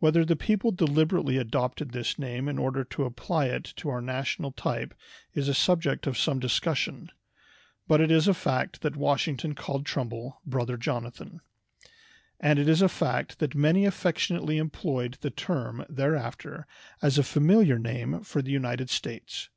Whether the people deliberately adopted this name in order to apply it to our national type is a subject of some discussion; but it is a fact that Washington called Trumbull "Brother Jonathan," and it is a fact that many affectionately employed the term thereafter as a familiar name for the United States.